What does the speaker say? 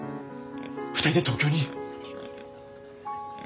２人で東京に。